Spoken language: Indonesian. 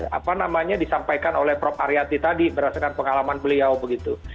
apa namanya disampaikan oleh prof aryati tadi berdasarkan pengalaman beliau begitu